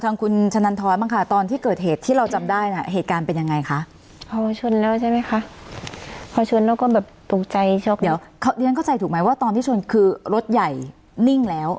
ตื่นต้องตรวจถ่ายดียังเข้าใจถูกไหมที่อ๋อนที่ฉนคือรถใหญ่นิ่งแล้ว